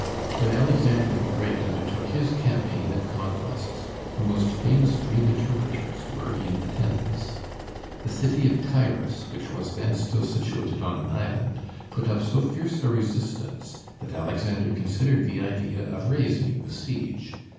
When Alexander the Great undertook his campaign of conquests, the most famous dream interpreters were in attendance. The city of Tyrus, which was then still situated on an island, put up so fierce a resistance that Alexander considered the idea of raising the siege.